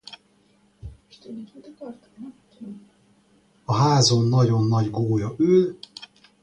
A Magyarországi Tanácsköztársaság ideje alatt gimnáziumi tanárnak nevezték ki függetlenül az újonnan megalakult rendszertől.